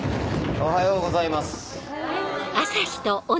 おはようございます。